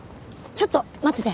ちょっと待ってて。